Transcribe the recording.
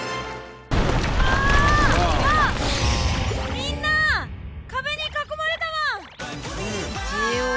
みんな壁に囲まれたワン。